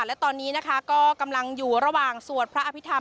และตอนนี้นะคะก็กำลังอยู่ระหว่างสวดพระอภิษฐรร